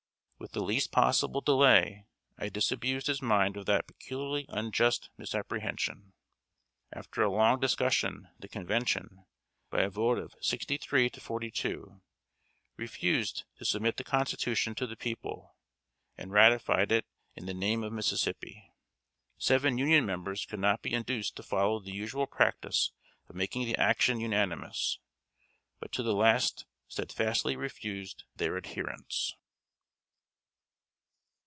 With the least possible delay, I disabused his mind of that peculiarly unjust misapprehension. After a long discussion, the Convention, by a vote of fifty three to thirty two, refused to submit the Constitution to the people, and ratified it in the name of Mississippi. Seven Union members could not be induced to follow the usual practice of making the action unanimous, but to the last steadfastly refused their adherence.